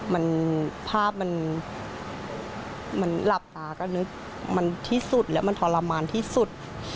มันภาพมันหลับตาก็นึกมันที่สุดแล้วมันทรมานที่สุด